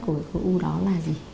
của khối u đó là gì